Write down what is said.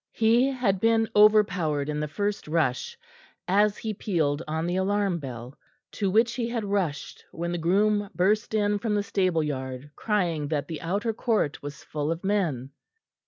He had been overpowered in the first rush as he pealed on the alarm bell, to which he had rushed when the groom burst in from the stable yard crying that the outer court was full of men.